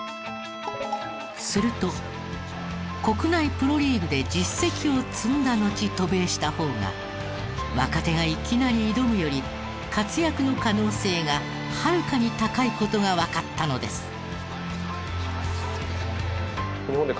すると国内プロリーグで実績を積んだのち渡米した方が若手がいきなり挑むより活躍の可能性がはるかに高い事がわかったのです。